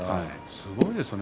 すごいですね。